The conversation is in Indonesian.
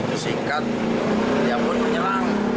cuman begitu singkat dia pun menyerang